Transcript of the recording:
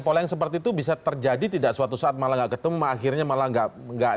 pola yang seperti itu bisa terjadi tidak suatu saat malah nggak ketemu akhirnya malah nggak